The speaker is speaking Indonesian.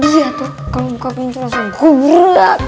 dia tuh kamu buka pintu langsung bergerak